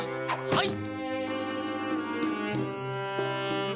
はい！